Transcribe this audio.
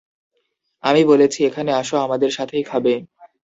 আমি বলেছি এখানে আসো আমাদের সাথেই খাবে।